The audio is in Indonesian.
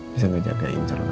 bisa ngejagain seluruh anak kita